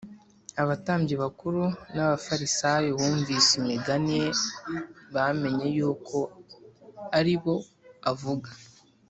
Abatambyi bakuru n’Abafarisayo bumvise imigani ye bamenya yuko ari bo avuga